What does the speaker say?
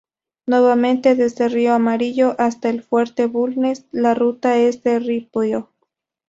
Nuevamente, desde Río Amarillo hasta el Fuerte Bulnes, la ruta es de ripio.